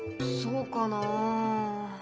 そうかな。